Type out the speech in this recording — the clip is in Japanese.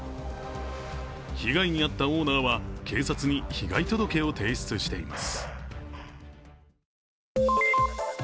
被害に遭ったオーナーは警察に被害届を提出しています。